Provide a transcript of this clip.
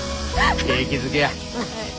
景気づけや。